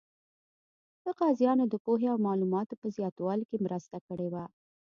د قاضیانو د پوهې او معلوماتو په زیاتوالي کې مرسته کړې وه.